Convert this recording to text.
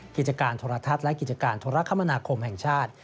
กิจการโทรทัศน์และกิจการโทรคมนาคมแห่งชาติ